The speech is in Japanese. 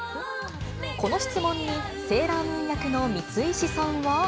この質問に、セーラームーン役の三石さんは。